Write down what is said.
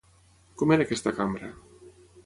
Com era aquesta cambra?